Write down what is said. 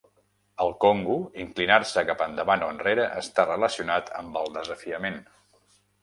Al Kongo, inclinar-se cap endavant o enrere està relacionat amb el desafiament.